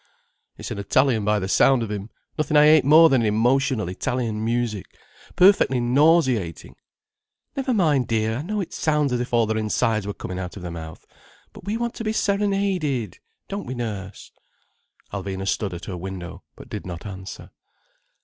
"It's an Italian by the sound of him. Nothing I hate more than emotional Italian music. Perfectly nauseating." "Never mind, dear. I know it sounds as if all their insides were coming out of their mouth. But we want to be serenaded, don't we, nurse?—" Alvina stood at her window, but did not answer.